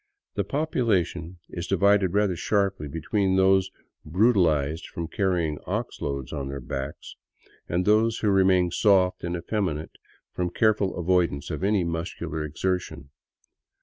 The population is divided rather sharply between those brutalized from carrying ox loads on their backs, and those who remain soft and effeminate from careful avoidance of any muscular exertion.